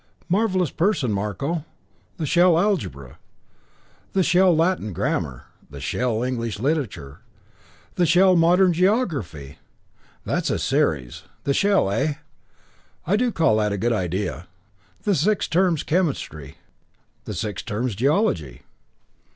Marvellous person, Marko! 'The Shell Algebra'; 'The Shell Latin Grammar'; 'The Shell English Literature': 'The Shell Modern Geography.' That's a series 'The Shell,' eh? I do call that a good idea. 'The Six Terms Chemistry'; 'The Six Terms Geology.'"